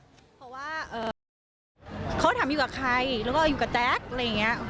เพราะว่าเขาถามอยู่กับใครแล้วก็อยู่กับแจ๊กอะไรอย่างนี้